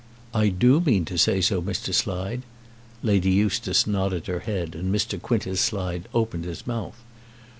"I do mean to say so, Mr. Slide." Lady Eustace nodded her head, and Mr. Quintus Slide opened his mouth.